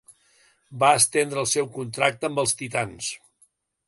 Va estendre el seu contracte amb els titans.